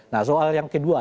nah soal yang kedua